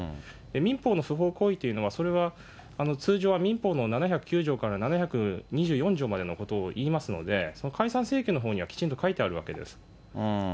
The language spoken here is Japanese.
民法の不法行為というのは、それは通常は民法の７０９条から７２４条までのことをいいますので、解散請求のほうにはきちんと書いてあるわけです。